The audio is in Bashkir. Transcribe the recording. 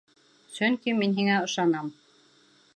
Сөнки мин һиңә ышанам.